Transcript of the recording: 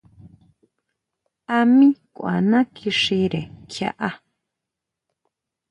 A mí kʼuaná kixire kjiaʼá.